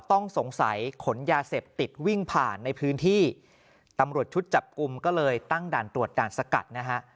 ต้องสงสัยขนยาเสพติดวิ่งผ่านในพื้นที่ตำรวจชุดจับกลุ่มก็เลยตั้งด่านตรวจด่านสกัดนะฮะ